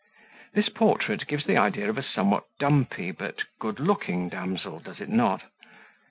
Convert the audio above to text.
This portrait gives the idea of a somewhat dumpy but good looking damsel, does it not?